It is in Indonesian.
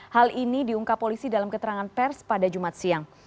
hal ini diungkap polisi dalam keterangan pers pada jumat siang